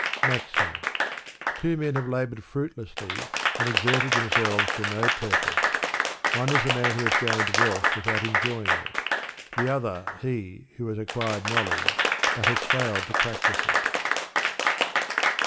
MAXIM. Two men have labored fruitlessly and exerted themselves to no purpose. One is the man who has gained wealth without enjoying it; the other he who has acquired knowledge but has Med to practise it.